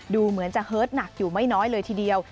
ดูเหมือนจะเฮิตหนักอยู่ไม่น้อยเลยทีเดียว